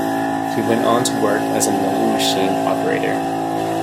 He went on to work as a milling machine operator.